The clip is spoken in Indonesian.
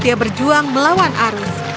dia berjuang melawan arus